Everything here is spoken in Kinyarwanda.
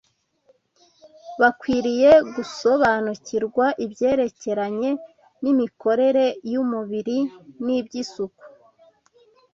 Bakwiriye gusobanukirwa ibyerekeranye n’imikorere y’umubiri n’iby’isuku